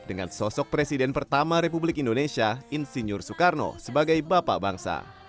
dengan sosok presiden pertama republik indonesia insinyur soekarno sebagai bapak bangsa